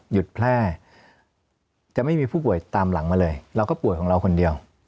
แพร่จะไม่มีผู้ป่วยตามหลังมาเลยเราก็ป่วยของเราคนเดียว